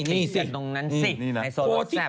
นี่สิไฮโซรสแซ่บ